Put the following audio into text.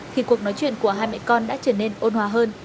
khi cuộc nói chuyện của hai mẹ con đã trở nên ôn hòa hơn